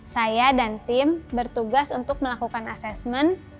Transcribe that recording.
saya dan tim bertugas untuk melakukan asesmen